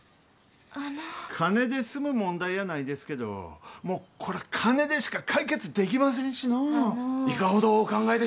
あの金で済む問題やないですけどもうこら金でしか解決できませんしのいかほどお考えで？